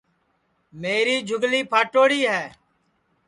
میری جھُگلی پھاٹوڑی ہے